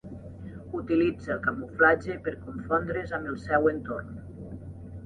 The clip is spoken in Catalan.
Utilitza el camuflatge per confondre's amb el seu entorn.